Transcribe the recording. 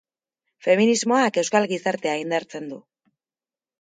Feminismoak euskal gizartea indartzen du.